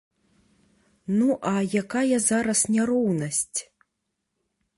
Ну а якая зараз няроўнасць?